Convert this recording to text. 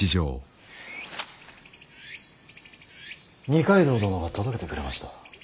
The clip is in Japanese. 二階堂殿が届けてくれました。